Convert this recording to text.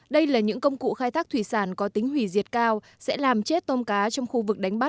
đây là những công cụ khai thác thủy sản có tính hủy diệt cao sẽ làm chết tôm cá trong khu vực đánh bắt